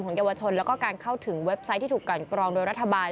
เยาวชนแล้วก็การเข้าถึงเว็บไซต์ที่ถูกกันกรองโดยรัฐบาล